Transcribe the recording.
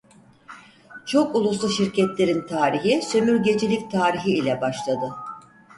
Çokuluslu şirketlerin tarihi sömürgecilik tarihi ile başladı.